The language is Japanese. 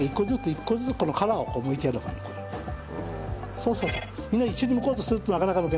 そうそうそう。